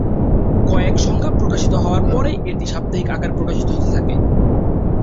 কয়েক সংখ্যা প্রকাশিত হবার পর এটি সাপ্তাহিক আকারে প্রকাশিত হতে থাকে।